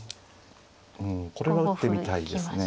うんこれは打ってみたいですね。